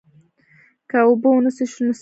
که اوبه ونه څښو نو څه کیږي